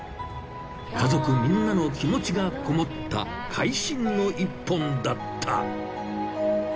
家族みんなの気持ちがこもった会心の一本だった。